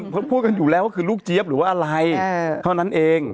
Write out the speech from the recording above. เขาพูดกันอยู่แล้วว่าคือลูกเจี๊ยบหรือว่าอะไรเท่านั้นเอง